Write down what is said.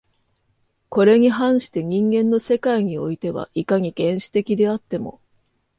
これに反して人間の世界においては、いかに原始的であっても